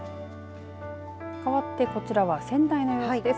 かわってこちらは仙台の様子です。